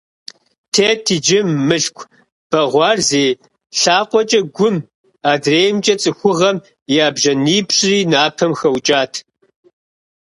Тетт иджы Мылъку бэгъуар зы лъакъуэкӀэ Гум, адреймкӀэ - ЦӀыхугъэм, и ӀэбжьанипщӀри Напэм хэукӀат.